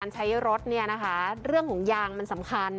ใช้รถเนี่ยนะคะเรื่องของยางมันสำคัญ